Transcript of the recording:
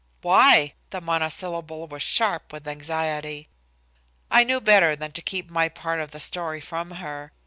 "Why?" The monosyllable was sharp with anxiety. I knew better than to keep my part of the story from her.